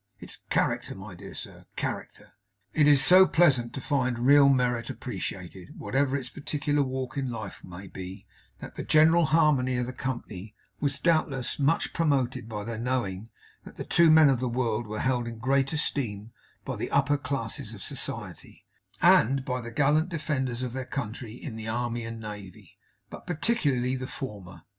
It's character, my dear sir; character!' It is so pleasant to find real merit appreciated, whatever its particular walk in life may be, that the general harmony of the company was doubtless much promoted by their knowing that the two men of the world were held in great esteem by the upper classes of society, and by the gallant defenders of their country in the army and navy, but particularly the former.